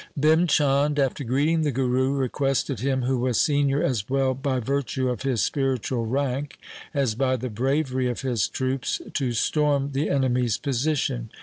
Bhim Chand, after greeting the Guru, requested him, who was senior as well by virtue of his spiritual rank as by the bravery of his troops, to storm the enemies' position.